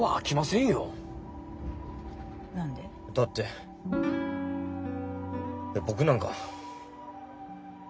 だって僕なんか。